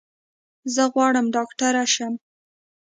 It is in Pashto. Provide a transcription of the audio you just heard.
زه غواړم ډاکټر شم.